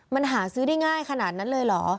มันหาซื้อได้ง่ายขนาดนั้นเลยเหรอ